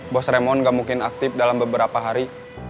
bos remond gak mungkin aktif dalam beberapa hari